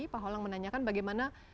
pak holang menanyakan bagaimana